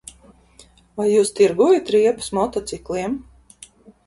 Vai jūs tirgojat riepas motocikliem?